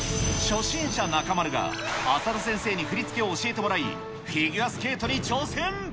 初心者中丸が、浅田先生に振り付けを教えてもらい、フィギュアスケートに挑戦。